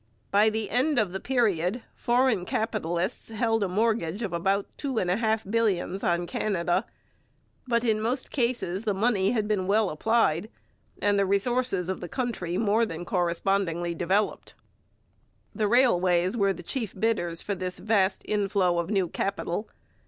By the end of the period foreign capitalists held a mortgage of about two and a half billions on Canada, but in most cases the money had been well applied, and the resources of the country more than correspondingly developed. The railways were the chief bidders for this vast inflow of new capital.